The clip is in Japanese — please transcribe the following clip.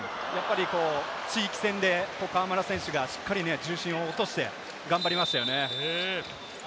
地域戦で河村選手が重心を落として頑張りましたね。